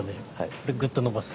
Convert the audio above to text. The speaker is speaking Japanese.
これぐっと伸ばす。